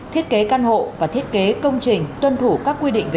thiết kế căn hộ và thiết kế công trình tuân thủ các quy định